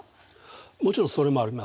もちろんそれもあります。